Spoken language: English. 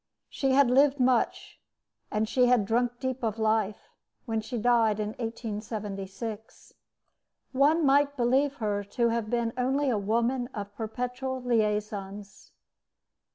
She had lived much, and she had drunk deep of life, when she died in 1876. One might believe her to have been only a woman of perpetual liaisons.